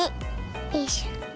よいしょ。